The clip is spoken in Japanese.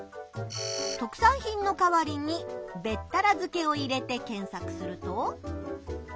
「特産品」の代わりに「べったら漬け」を入れて検索すると。